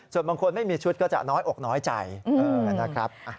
ส่วนบางคนไม่มีชุดก็จะน้อยอกน้อยใจนะครับ